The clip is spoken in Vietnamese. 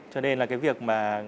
cho nên là cái việc mà